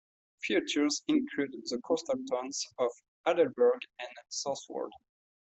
Features include the coastal towns of Aldeburgh and Southwold.